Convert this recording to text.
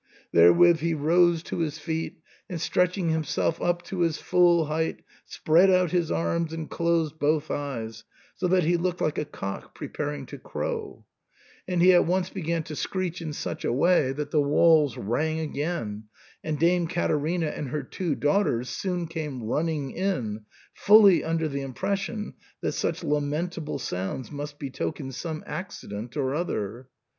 Therewith he rose to his feet, and, stretching himself up to his full height, spread out his arms and closed both eyes, so that he looked like a cock preparing to crow ; and he at once began to screech in such a way that the walls rang again, and Dame Caterina and her two daughters soon came running in, fully under the impression that such lamentable sounds must betoken some accident or other.